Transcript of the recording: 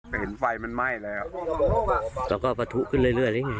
เห็นไฟมันไหม้เลยอะแล้วก็ประถุขึ้นเรื่อยเรื่อยนี่ไง